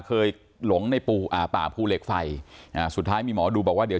หลงในปู่อ่าป่าภูเหล็กไฟอ่าสุดท้ายมีหมอดูบอกว่าเดี๋ยว